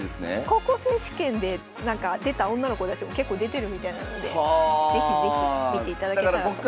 高校選手権で出た女の子たちも結構出てるみたいなので是非是非見ていただけたらと。